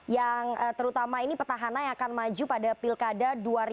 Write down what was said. yang terutama ini petahana yang akan maju pada pilkada dua ribu dua puluh